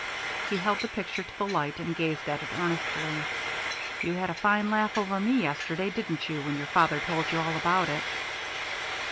He held the picture to the light, and gazed at it earnestly. "You had a fine laugh over me yesterday, didn't you, when your father told you all about it?"